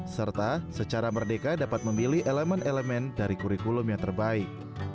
serta secara merdeka dapat memilih elemen elemen dari kurikulum yang terbaik